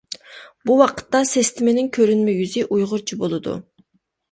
بۇ ۋاقىتتا سىستېمىنىڭ كۆرۈنمە يۈزى ئۇيغۇرچە بولىدۇ.